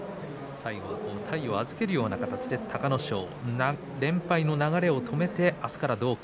最後、体を預けるような形で隆の勝、連敗の流れを止めて、明日からどうか。